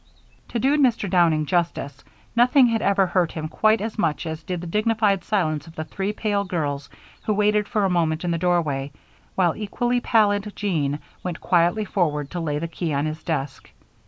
To do Mr. Downing justice, nothing had ever hurt him quite as much as did the dignified silence of the three pale girls who waited for a moment in the doorway, while equally pallid Jean went quietly forward to lay the key on his desk.